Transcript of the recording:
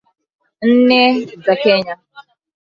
nne za Kenya